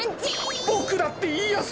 ボクだっていやさ！